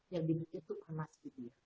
yang dibikin tuh panas gitu